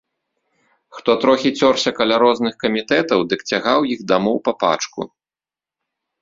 Хто трохі цёрся каля розных камітэтаў, дык цягаў іх дамоў па пачку.